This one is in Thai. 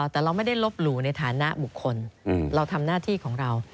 แต่เราไม่ได้ลบหลู่ในฐานะบุคคลเราทำหน้าที่ของเรา